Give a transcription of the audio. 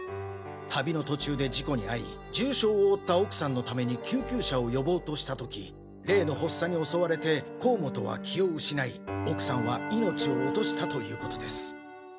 旅の途中で事故に遭い重傷を負った奥さんのために救急車を呼ぼうとした時例の発作に襲われて甲本は気を失い奥さんは命を落としたということです。